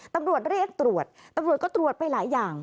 ตำรวจเรียกตรวจตำรวจก็ตรวจไปหลายอย่าง